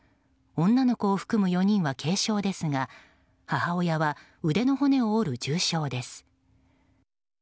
女の子を含む４人は軽傷ですが母親は腕の骨を折る重傷です。